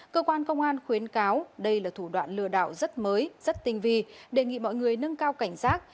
cơ quan công an khuyến cáo đây là thủ đoạn lừa đảo rất mới rất tinh vi đề nghị mọi người nâng cao cảnh giác